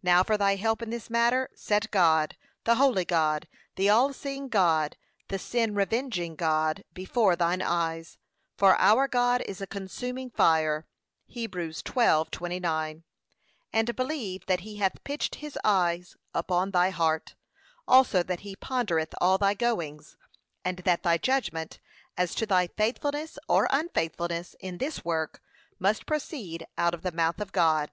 Now for thy help in this matter, set God, the holy God, the all seeing God, the sin revenging God, before thine eyes; 'for our God is a consuming fire.' (Heb. 12:29) And believe that he hath pitched his eyes upon thy heart; also that 'he pondereth all thy goings,' and that thy judgment, as to thy faithfulness, or unfaithfulness, in this work, must proceed out of the mouth of God.